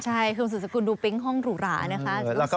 ใช่คุณสุดสกุลดูปิ๊งห้องหรูหรานะคะ